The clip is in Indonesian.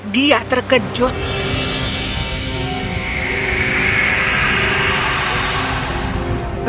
dia terkejut denganmu